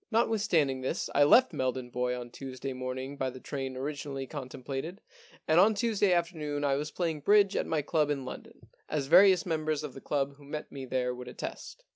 Notwithstanding this, I left Meldon Bois on Tuesday morning by the train origin ally contemplated, and on Tuesday afternoon I was playing bridge at my club in London, as various members of the club who met me there would attest.'